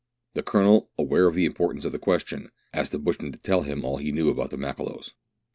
The Colonel, aware of the importance of the question, asked the bushman to tell him all he knew about the Makololos.